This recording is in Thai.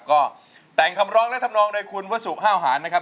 ก็แต่งคำร้องและทำนองโดยคุณวสุห้าวหารนะครับ